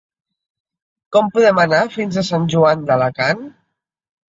Com podem anar fins a Sant Joan d'Alacant?